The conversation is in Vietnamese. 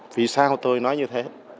vì sao tôi nói như thế